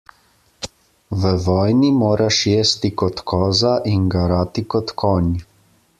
V vojni moraš jesti kot koza in garati kot konj.